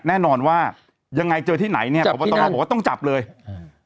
แน่นอนว่ายังไงเจอที่ไหนเนี้ยพบตรบอกว่าต้องจับเลยอืม